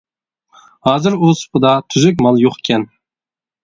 ھازىر ئۇ سۇپىدا تۈزۈك مال يوقكەن.